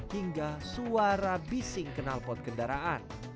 hingga suara bising kenal pot kendaraan